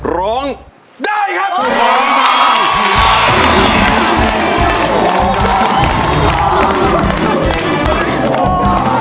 โรงได้ครับ